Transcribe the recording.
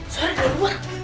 suara dari luar